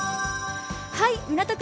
港区